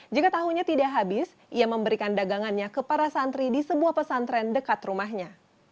jika tahunya tidak habis ia memberikan dagangannya ke para santri di sebuah pesantren dekat rumahnya